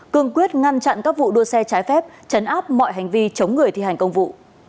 cương quyết ngăn chặn các vụ đua xe trái phép chấn áp mọi hành vi chống người thi hành công vụ